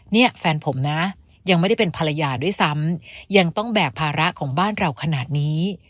เนี่ยแฟนผมนะยังไม่ได้เป็นภรรยาด้วยซ้ำยังต้องแบกภาระของบ้านเราขนาดนี้